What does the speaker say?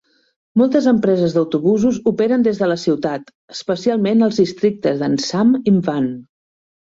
Moltes empreses d'autobusos operen des de la ciutat; especialment als districtes de Nsam i Mvan.